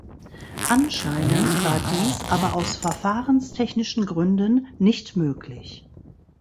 Anscheinend war dies aber aus verfahrenstechnischen Gründen nicht möglich.